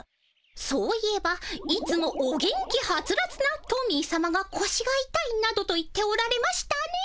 そういえばいつもお元気ハツラツなトミーさまがこしがいたいなどと言っておられましたね。